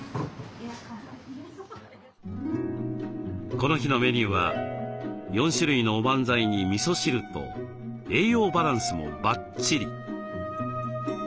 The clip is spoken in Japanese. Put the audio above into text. この日のメニューは４種類のおばんざいにみそ汁と栄養バランスもバッチリ。